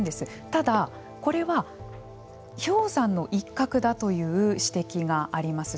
ただ、これは氷山の一角だという指摘があります。